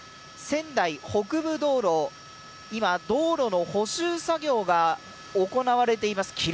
仙台北部道路を今、道路の補修作業が行われています。